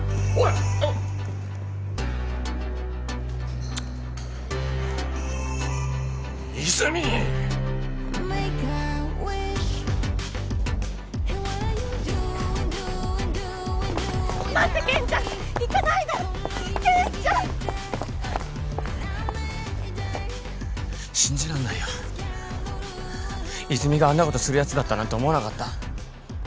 泉があんなことするやつだったなんて思わなかった。